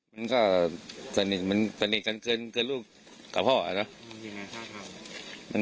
มันก็สนิทกันเกินลูกกับพ่อนะ